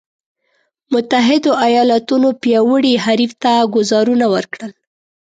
متحدو ایالتونو پیاوړي حریف ته ګوزارونه ورکړل.